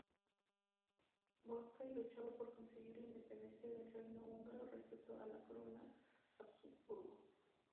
Bocskai luchaba por conseguir la independencia del reino húngaro respecto a la corona Habsburgo.